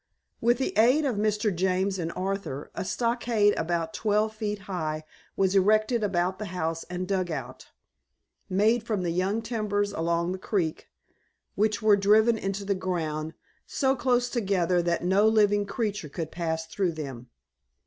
With the aid of Mr. James and Arthur a stockade about twelve feet high was erected about the house and dugout, made from the young timbers along the creek, which were driven into the ground so close together that no living creature could pass through them.